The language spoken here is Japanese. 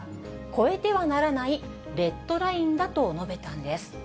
越えてはならないレッドラインだと述べたんです。